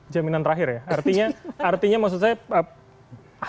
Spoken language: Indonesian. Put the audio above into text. jaminan terakhir ya artinya artinya maksud saya hanya nama gibran yang diberikan